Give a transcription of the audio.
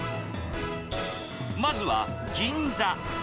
まずは、銀座。